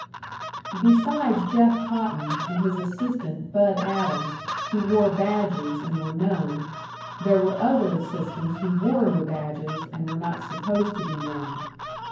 Besides Jeff Cotton, and his assistant, "Bud" Adams, who wore badges, and were known, there were other assistants who wore no badges, and were not supposed to be known.